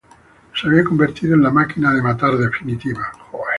Se había convertido en la máquina de matar definitiva.